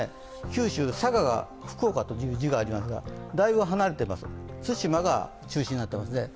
九州・佐賀とありますが、だいぶ離れています、対馬が中心になっていますね。